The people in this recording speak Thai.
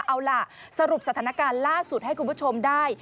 เอาล่ะสรุปสถานการณ์ล่าสุดให้คุณผู้ชมได้